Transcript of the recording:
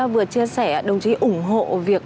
vừa chia sẻ đồng chí ủng hộ việc